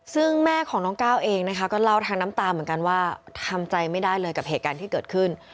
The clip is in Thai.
ซึ่งแม่ของน้องก้าวเองนะคะก็เล่าทางน้ำตาเหมือนกันว่าทำใจไม่ได้เลยกับเหตุการณ์ที่เกิดขึ้น